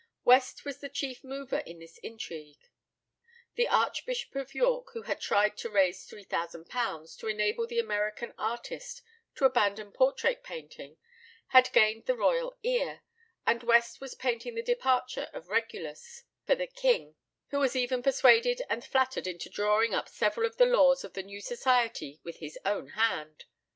West was the chief mover in this intrigue. The Archbishop of York, who had tried to raise £3000 to enable the American artist to abandon portrait painting, had gained the royal ear, and West was painting the "Departure of Regulus" for the king, who was even persuaded and flattered into drawing up several of the laws of the new society with his own hand.